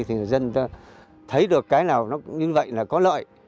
thì dân ta thấy được cái nào nó cũng như vậy là có lợi